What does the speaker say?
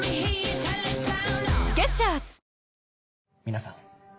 皆さん